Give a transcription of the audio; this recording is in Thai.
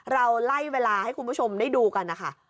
เราไล่เวลาให้คุณผู้ชมได้ดูกันนะคะ